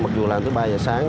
mặc dù làm từ ba h sáng